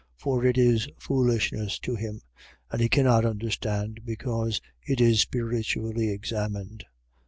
For it is foolishness to him: and he cannot understand, because it is spiritually examined.